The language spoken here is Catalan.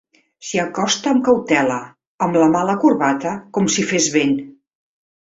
S'hi acosta amb cautela, amb la mà a la corbata, com si fes vent.